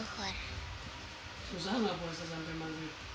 susah gak puasa sampai magib